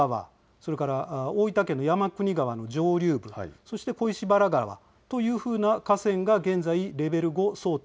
それから大分県の山国川の上流部、そして小石原川という河川が現在レベル５相当